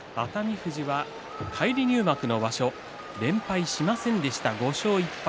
富士は返り入幕の場所連敗しませんでした、５勝１敗。